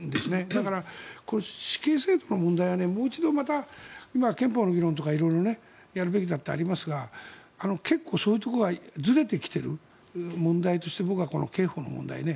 だから、死刑制度の問題はもう一度また今、憲法の議論とかやるべきだってありますが結構そういうところがずれてきてる僕は刑法の問題